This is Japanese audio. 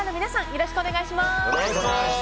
よろしくお願いします。